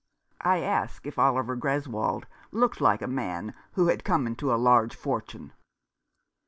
I asked if Oliver Greswold looked like a man who had come into a large fortune.